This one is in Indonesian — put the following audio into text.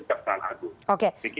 atau pencapsaan agung